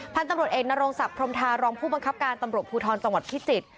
พันธุ์ตำรวจเอกนโรงศักดิ์พรมทารองผู้บังคับการตำรวจภูทรจังหวัดพิจิตร